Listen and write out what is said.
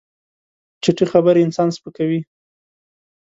چټي خبرې انسان سپکوي.